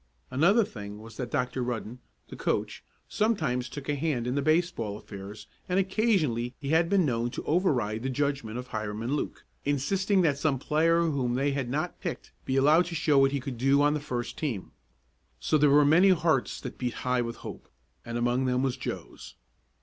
Another thing was that Dr. Rudden, the coach, sometimes took a hand in the baseball affairs and occasionally he had been known to over ride the judgment of Hiram and Luke, insisting that some player whom they had not picked be allowed to show what he could do on the first team. So there were many hearts that beat high with hope, and among them was Joe's.